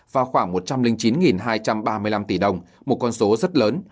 vào khoảng một trăm linh chín hai trăm ba mươi năm tỷ đồng một con số rất lớn